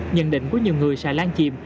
nhận định của nhiều người xà lan chìm